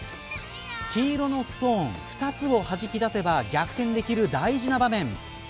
黄色のストーン２つをはじき出せば逆転できる大事な場面。